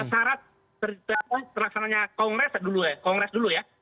saran terlaksananya kongres dulu ya